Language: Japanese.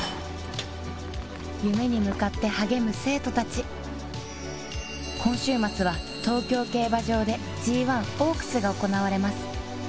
夢に向かって励む生徒達今週末は東京競馬場でＧⅠオークスが行われますです